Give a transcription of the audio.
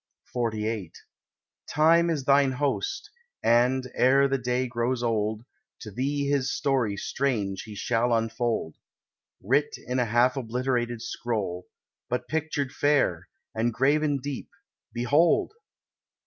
XLVIII "Time is thine host, and, ere the day grows old, To thee his story strange he shall unfold, Writ in a half obliterated scroll, But pictured fair, and graven deep—behold!"